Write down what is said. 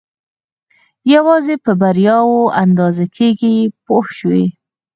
یوازې په بریاوو اندازه کېږي پوه شوې!.